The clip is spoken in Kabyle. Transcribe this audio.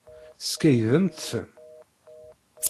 Skeydemt-ten.